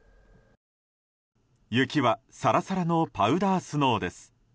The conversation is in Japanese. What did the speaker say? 雪はサラサラのパウダースノーです。